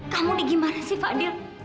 kamu ini gimana sih fadil